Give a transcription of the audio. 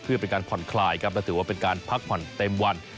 เพื่อเป็นการผ่อนคลายครับและถือว่าเป็นการพักผ่อนเต็มวัน